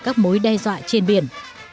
các mối đe dọa trên biển